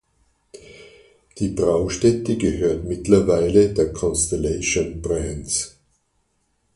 Die Braustätte gehört mittlerweile der Constellation Brands.